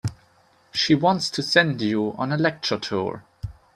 She wants to send you on a lecture tour.